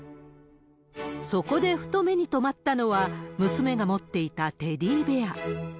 そこでふと目にとまったのは、娘が持っていたテディベア。